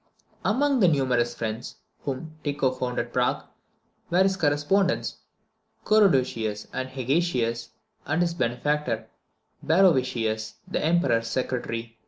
Among the numerous friends whom Tycho found at Prague, were his correspondents Coroducius and Hagecius, and his benefactor Barrovitius, the Emperor's secretary.